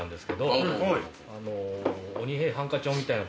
『鬼平犯科帳』みたいな。